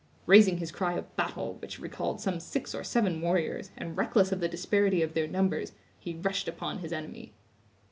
Raising his cry of battle, which recalled some six or seven warriors, and reckless of the disparity of their numbers, he rushed upon his enemy.